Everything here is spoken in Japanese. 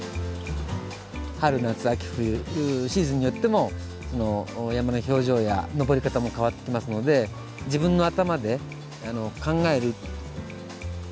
春夏秋冬シーズンによっても山の表情や登り方も変わってきますので自分の頭で考える。